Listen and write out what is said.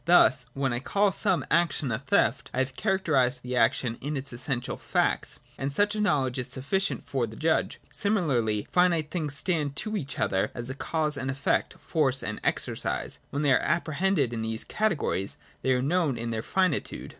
Thus, when I call some action a theft, I have characterised the action in its essential facts : and such a knowledge is sufficient for the judge. Similarly, finite things stand to each other as cause and effect, force and exercise, and when they are apprehended in these categories, they are known in their finitude.